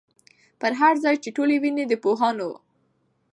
پر هر ځای چي ټولۍ وینی د پوهانو